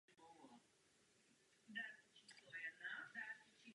Je pohřben v kapli svatého Jana Křtitele v katedrále svatého Víta.